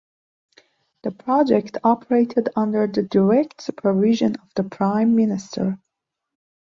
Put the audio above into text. The project operated under the direct supervision of the Prime Minister.